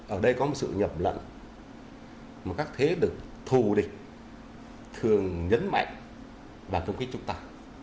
ở đây có một sự nhập lẫn mà các thế lực thù địch thường nhấn mạnh vào trong khi chúng ta